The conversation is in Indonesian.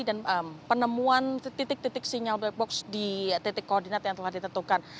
dan penemuan titik titik sinyal black box di titik koordinat yang telah ditentukan